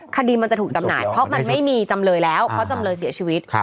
คดีมันจะถูกจำหน่ายเพราะมันไม่มีจำเลยแล้วเพราะจำเลยเสียชีวิต